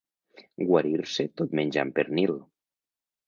Guarir-se tot menjant pernil.